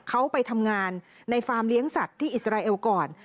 เขาไปทำงานในฟาร์มเลี้ยงสัตว์ที่อิสราเอลก่อน